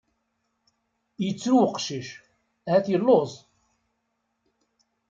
Yettru uqcic, ahat yelluẓ?